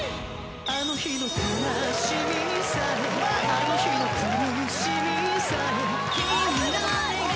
あの日の悲しみさえあの日の苦しみさえ君の笑顔